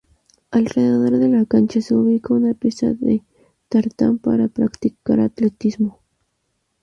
Alrededor de la cancha se ubica una pista de tartán para practicar atletismo.